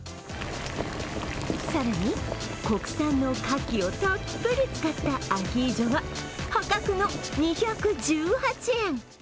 更に、国産のかきをたっぷり使ったアヒージョは破格の２１８円！